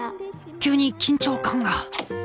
急に緊張感が！